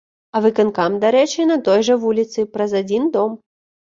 А выканкам, дарэчы, на той жа вуліцы, праз адзін дом.